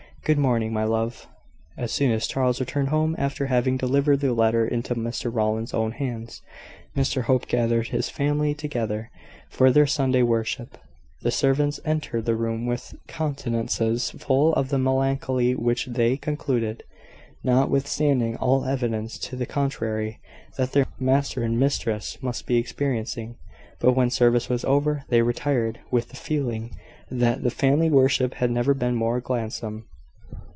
Good morning, my love." As soon as Charles returned home, after having delivered the letter into Mr Rowland's own hands, Mr Hope gathered his family together, for their Sunday worship. The servants entered the room with countenances full of the melancholy which they concluded, notwithstanding all evidence to the contrary, that their master and mistress must be experiencing: but, when service was over, they retired with the feeling that the family worship had never been more gladsome.